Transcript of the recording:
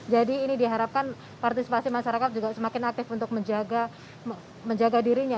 ini diharapkan partisipasi masyarakat juga semakin aktif untuk menjaga dirinya